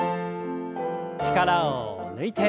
力を抜いて。